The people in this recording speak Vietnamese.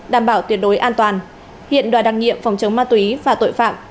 đảm bảo tuyệt đối an toàn hiện đoàn đăng nghiệm phòng chống ma túy và tội phạm